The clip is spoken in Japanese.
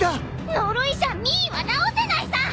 呪いじゃミーは治せないさ！